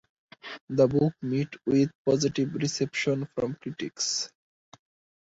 The book met with positive reception from critics.